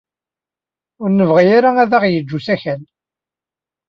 Ur nebɣi ara ad aɣ-yeǧǧ usakal.